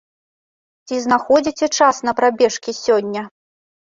Ці знаходзіце час на прабежкі сёння?